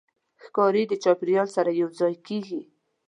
ښکاري د چاپېریال سره یوځای کېږي.